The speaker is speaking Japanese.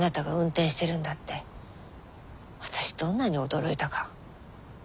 私どんなに驚いたか。